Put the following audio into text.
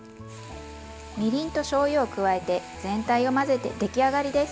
みりんとしょうゆを加えて全体を混ぜて出来上がりです。